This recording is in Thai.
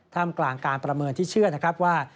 กลางการประเมินที่เชื่อนะครับว่า